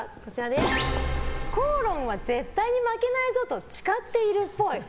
口論は絶対に負けないぞと誓っているっぽい。×！